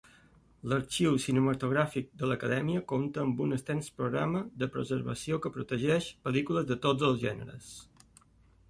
L'Arxiu Cinematogràfic de l'Acadèmia compta amb un extens programa de preservació que protegeix pel·lícules de tots els gèneres.